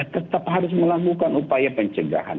tetap harus melakukan upaya pencegahan